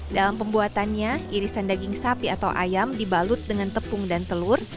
dalam pembuatannya irisan daging sapi atau ayam dibalut dengan tepung dan telur